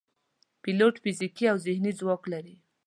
پیلوټ فزیکي او ذهني ځواک لري.